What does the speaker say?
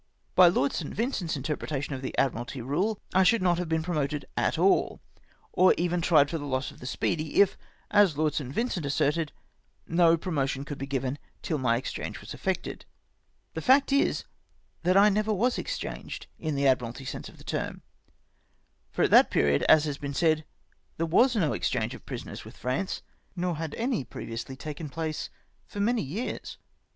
By Lord St. Vincent's interpretation of the Admu^alty rule, I should not have been promoted at cdl, or even tried for the loss of the Sjjeedy, if, as Lord St. Vincent asserted, no promotion could be given till " my ex change was effected." The fact is, that I never was exchanged, ui the Admii alty sense of the tei'm ; for at that period, as has been said, tliere was no exchange of prisoners with France, nor had any previously taken PROMOTION OF MY FIRST LIEUTENANT REFUSED. 14.^ place for many years.